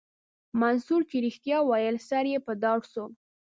منصور چې رښتيا ويل سر يې په دار سو.